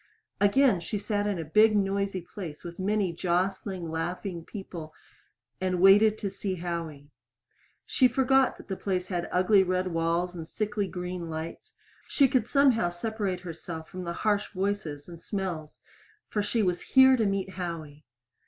Again she sat in a big, noisy place with many jostling, laughing people and waited to see Howie. She forgot that the place had ugly red walls and sickly green lights; she could somehow separate herself from harsh voices and smells for she was here to meet Howie!